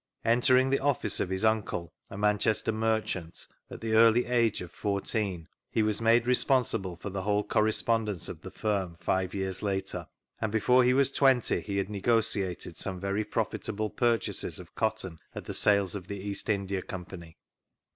Entering the office of his uncle, a Manchester merchant, at the early age of fourteen, he was made nesponsible for the whole correspondence of the firm five years later; and before he was twenty he had negotiated some very profitable purchases of cotton at the sales of the East India Company.